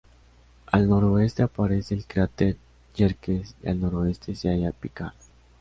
Al noroeste aparece el cráter Yerkes, y al noreste se halla Picard.